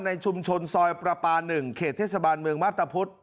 ในชุมชนซอยประปา๑เขตเทศบาลเมืองมาพตะพุธ